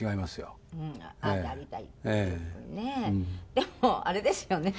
でもあれですよね。